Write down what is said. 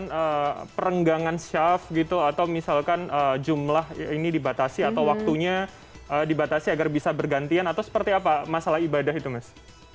kemudian perenggangan syaf gitu atau misalkan jumlah ini dibatasi atau waktunya dibatasi agar bisa bergantian atau seperti apa masalah ibadah itu mas